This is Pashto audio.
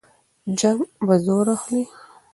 جنګ به زور اخلي.